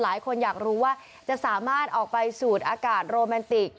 หลายคนอยากรู้ว่าจะสามารถออกไปสูดอากาศโรแมนติก